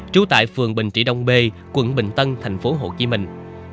trú tại phường bình trị đông b quận bình tân thành phố hồ chí minh